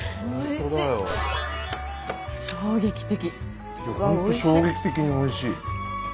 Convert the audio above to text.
ほんと衝撃的においしい。